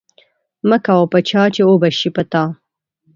مه کوه په چا چی اوبه شی په تا.